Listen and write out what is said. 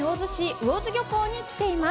魚津漁港に来ています。